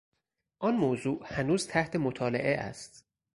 آن موضوع هنوز تحت مطالعه است.